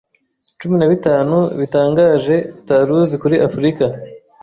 cumi na bitanu bitangaje utaruzi kuri afrika